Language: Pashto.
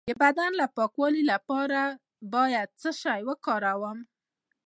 د بدن د پاکوالي لپاره باید څه شی وکاروم؟